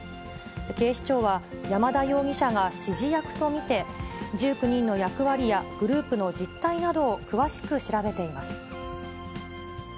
警視庁は、山田容疑者が指示役と見て、１９人の役割や、グループの実態などを詳しく調べています。